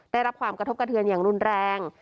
ได้รับความกระทบกระเทือนอย่างรุนแรง